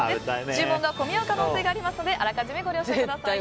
注文が混み合う可能性がありますのでご了承ください。